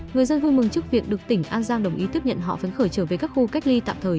người dân vui mừng trước việc được tỉnh an giang đồng ý tiếp nhận họ phấn khởi trở về các khu cách ly tạm thời